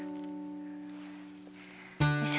よいしょ。